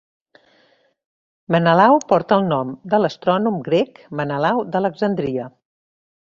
Menelau porta el nom de l'astrònom grec Menelau d'Alexandria.